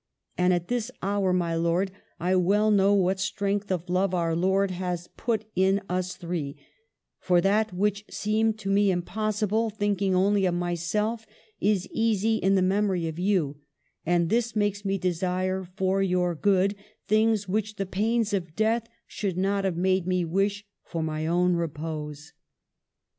And at this hour, my lord, I well know what strength of love our Lord has put in us three; for that which seemed to me impossible, thinking only of my self, is easy in the memory of you ; and this makes me desire, for your good, things which the pains of death should not have made me wish for my own repose."